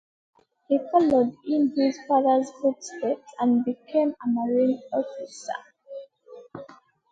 He followed in his father's footsteps and became a Marine officer.